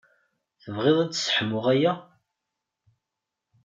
Tebɣiḍ ad sseḥmuɣ aya?